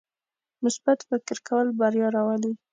مثبت فکر کول بریا راولي.